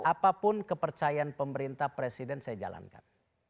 apapun kepercayaan pemerintah presiden saya jalankan